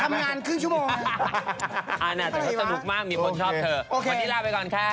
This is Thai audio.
สวัสดีครับ